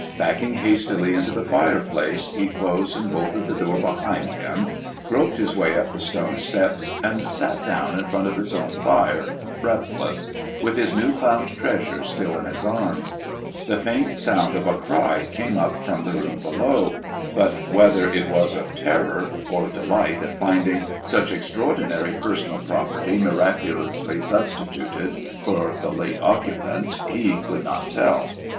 Backing hastily into the fireplace he closed and bolted the door behind him, groped his way up the stone steps, and sat down in front of his own fire, breathless, with his new found treasure still in his arms. The faint sound of a cry came up from the room below, but whether it was of terror, or delight at finding such extraordinary personal property miraculously substituted for the late occupant, he could not tell.